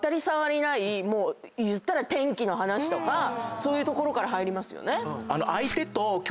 そういうところから入りますよね。